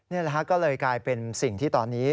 นี่แหละฮะก็เลยกลายเป็นสิ่งที่ตอนนี้